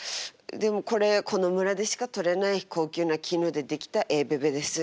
でもこれこの村でしかとれない高級な絹で出来たええベベです。